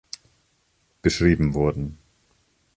Beschrieben wurden